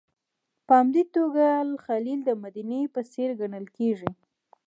په همدې توګه الخلیل د مدینې په څېر ګڼل کېږي.